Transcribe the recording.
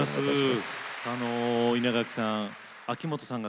稲垣さん